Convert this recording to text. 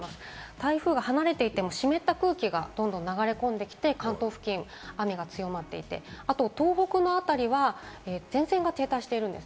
台風は離れていても湿った空気がどんどん流れ込んできて、関東付近、雨が強まって、東北の辺りは前線が停滞しているんです。